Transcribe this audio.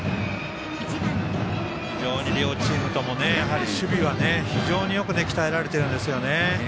非常に両チームとも守備は非常によく鍛えられてるんですよね。